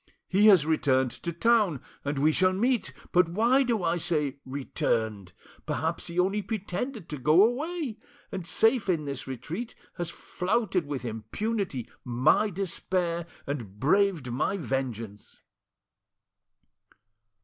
He has returned to town, and we shall meet! But why do I say 'returned'? Perhaps he only pretended to go away, and safe in this retreat has flouted with impunity, my despair and braved my vengeance!"